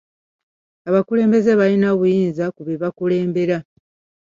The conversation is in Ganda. Abakulembeze balina obuyinza ku be bakulembera.